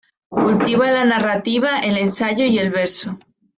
Cultiva la narrativa, el ensayo y el verso.